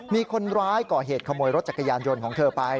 มีคนร้ายก่อเหตุขโมยรถจักรยานยนต์ของเธอไป